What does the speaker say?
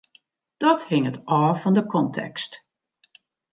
Dat hinget ôf fan de kontekst.